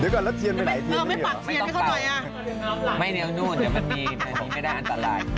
เดี๋ยวก่อนแล้วเทียนไปไหนเทียนได้หรือเปล่าไม่ต้องไปไม่เอานู้นแต่มันมีไม่ได้อันตราย